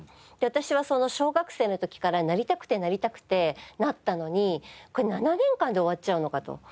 私は小学生の時からなりたくてなりたくてなったのにこれ７年間で終わっちゃうのかと。